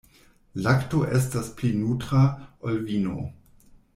Lakto estas pli nutra, ol vino.